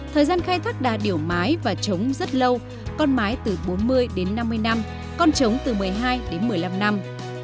thời gian khai thác đà điểu mái và trống rất lâu con mái từ bốn mươi đến năm mươi năm con trống từ một mươi hai đến một mươi năm năm